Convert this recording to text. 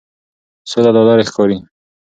سوله لا لرې ښکاري.